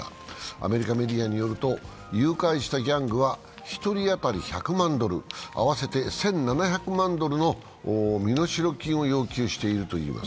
アメリカメディアによると、誘拐したギャングは１人当たり１００万ドル、合わせて１７００万ドルの身代金を要求しているといいます。